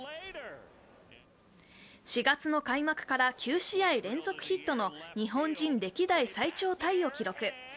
４月の開幕から９試合連続ヒットの日本人歴代最長タイを記録。